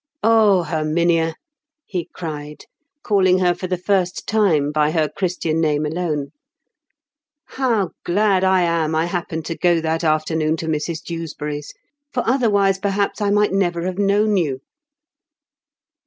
"Oh, Herminia," he cried, calling her for the first time by her Christian name alone, "how glad I am I happened to go that afternoon to Mrs Dewsbury's. For otherwise perhaps I might never have known you."